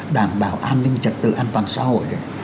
đảm bảo an ninh trật tự an toàn xã hội